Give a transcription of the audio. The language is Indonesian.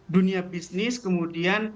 dunia bisnis kemudian